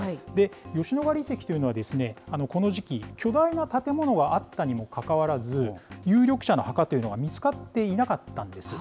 吉野ヶ里遺跡というのは、この時期、巨大な建物はあったにもかかわらず、有力者の墓というのは見つかっていなかったんです。